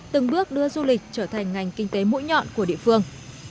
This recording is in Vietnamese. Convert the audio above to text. từng bước đưa du lịch trở thành ngành kinh tế mũi nhọn của địa phương